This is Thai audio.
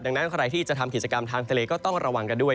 ดังนั้นใครที่จะทำกิจกรรมทางทะเลก็ต้องระวังกันด้วย